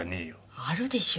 あるでしょう。